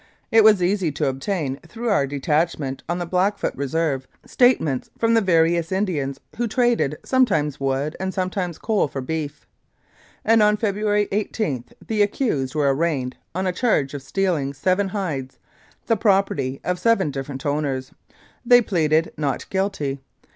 It was easy to obtain, through our detachment on the Blackfoot Reserve, statements from the various Indians who traded some times wood and sometimes coal for beef, and on February 18 the accused were arraigned on a charge of stealing seven hides, the property of seven different owners. They pleaded "not guilty."